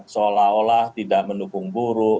seolah olah tidak mendukung buruk